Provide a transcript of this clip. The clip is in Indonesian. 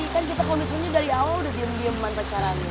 kan kita komunikasi dari awal udah diem diem mantep caranya